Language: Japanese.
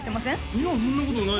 いやそんなことないですよ